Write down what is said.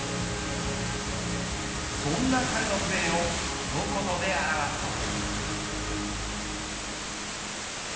そんな彼のプレーを一言で表すと。